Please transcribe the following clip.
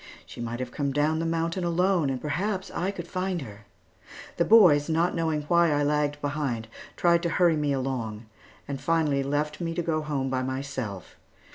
She might have come down the mountain alone and perhaps I could find her. The boys, not knowing why I lagged behind, tried to hurry me along; and finally left me to go home by myself.